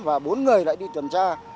và bốn người lại đi tuần tra